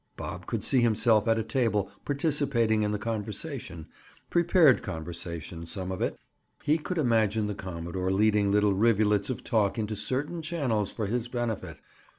Bob could see himself at a table participating in the conversation—prepared conversation, some of it! He could imagine the commodore leading little rivulets of talk into certain channels for his benefit.